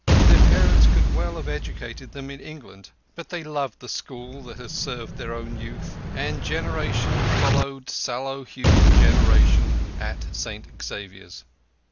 Their parents could well have educated them in England, but they loved the school that had served their own youth, and generation followed sallow hued generation at St Xavier's.